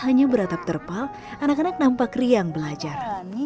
hanya beratap terpal anak anak nampak riang belajar